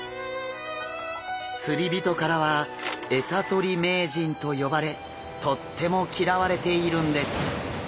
釣り人からは「エサ取り名人」と呼ばれとっても嫌われているんです。